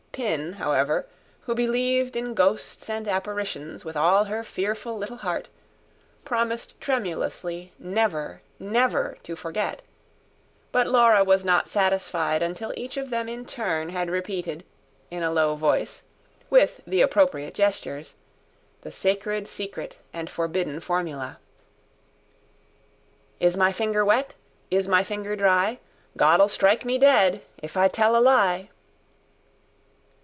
Pin, however, who believed in ghosts and apparitions with all her fearful little heart, promised tremulously never, never to forget; but Laura was not satisfied until each of them in turn had repeated, in a low voice, with the appropriate gestures, the sacred secret, and forbidden formula: Is my finger wet? Is my finger dry? God'll strike me dead, If I tell a lie.